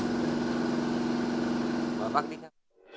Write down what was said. thuốc lá điện tử